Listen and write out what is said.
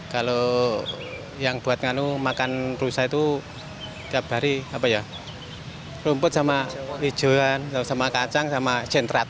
kalau yang buat nganu makan rusa itu tiap hari rumput sama hijauan sama kacang sama jentrat